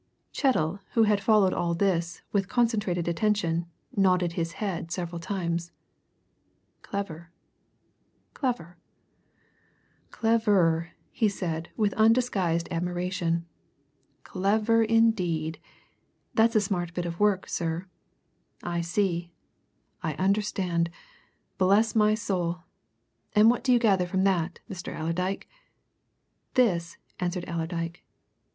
Chettle, who had followed all this with concentrated attention, nodded his head several times. "Clever clever clever!" he said with undisguised admiration. "Clever, indeed! That's a smart bit of work, sir. I see I understand! Bless my soul! And what do you gather from that, Mr. Allerdyke?" "This!" answered Allerdyke.